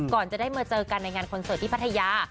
ก่อนจะได้มาเจอกันในงานคอนเสิร์ตที่พัทยา